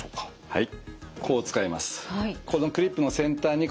はい。